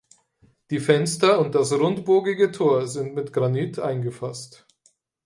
Die Fenster und das rundbogige Tor sind mit Granit eingefasst.